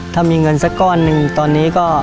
ถ้ามีเงินสักก้อนหนึ่งตอนนี้ก็